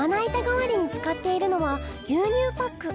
がわりに使っているのは牛乳パック。